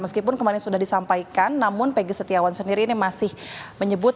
meskipun kemarin sudah disampaikan namun peggy setiawan sendiri ini masih menyebut